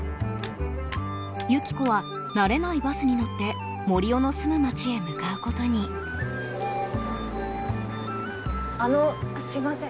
ユキコは慣れないバスに乗って森生の住む町へ向かうことにあのすいません